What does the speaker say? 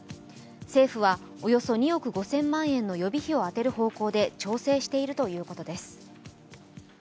政府はおよそ２億５０００万円の予備費を充てる方向で調整しているということです。